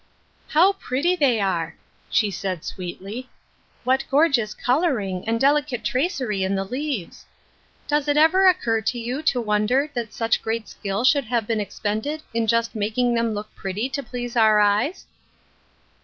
" How pretty they are I " she said, sweetly. "What gorgeous coloring, and delicate tracery in the leaves! Does it ever occur to you to wonder that such great skill should have been expended in just making them look pretty to please our eyes